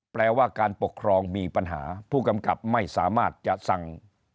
แปลว่าการปกครองมีปัญหาผู้กำกับไม่สามารถจะสั่ง